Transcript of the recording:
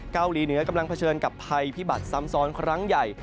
เกาหลีเหนือกำลังเผชิญกับภัยพิบัตรซ้ำซ้อนครั้งใหญ่